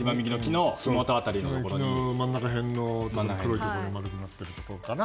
真ん中辺の黒いところ丸くなってるところかな。